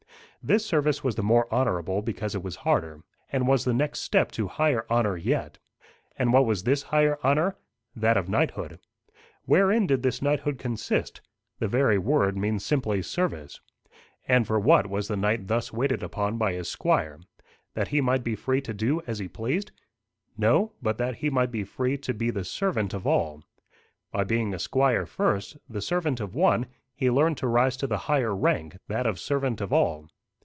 This service was the more honourable because it was harder, and was the next step to higher honour yet. And what was this higher honour? That of knighthood. Wherein did this knighthood consist? The very word means simply service. And for what was the knight thus waited upon by his squire? That he might be free to do as he pleased? No, but that he might be free to be the servant of all. By being a squire first, the servant of one, he learned to rise to the higher rank, that of servant of all.